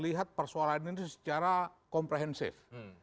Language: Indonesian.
lihat persoalan ini secara komprehensif